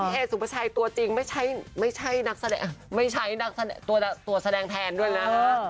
เอสุภาชัยตัวจริงไม่ใช่นักแสดงไม่ใช่นักแสดงตัวแสดงแทนด้วยนะ